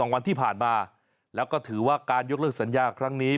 วันที่ผ่านมาแล้วก็ถือว่าการยกเลิกสัญญาครั้งนี้